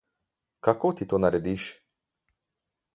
Kako ti to narediš?